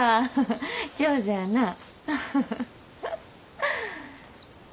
上手やなぁ。